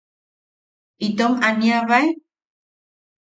¿Itom aniabae?